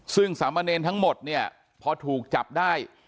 ซึ่งสามเณรทั้งหมดเนี่ยพอถูกจับได้